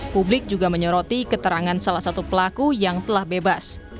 publik juga menyoroti keterangan salah satu pelaku yang telah bebas